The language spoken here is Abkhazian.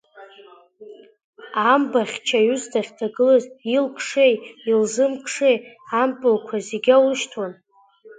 Амба хьчаҩыс дахьҭагылаз илкшеи илзымкшеи ампылқәа зегьы аулышьҭуан.